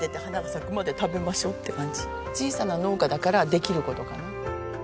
小さな農家だからできる事かな。